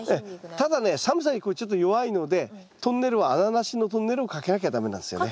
ただね寒さにこれちょっと弱いのでトンネルは穴なしのトンネルをかけなきゃ駄目なんですよね。